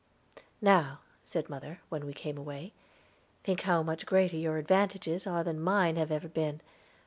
"Now," said mother, when we came away, "think how much greater your advantages are than mine have ever been.